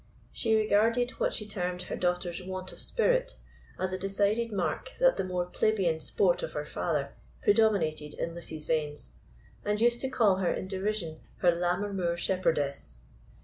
She regarded what she termed her daughter's want of spirit as a decided mark that the more plebeian blood of her father predominated in Lucy's veins, and used to call her in derision her Lammermoor Shepherdess.